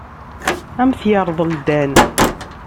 Ad am-t-yerḍel Dan.